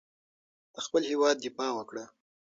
د خپل هېواد دفاع وکړه.